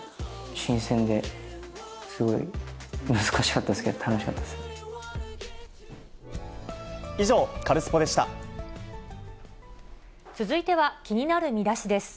新鮮で、すごい難しかったですけど、楽しかったですね。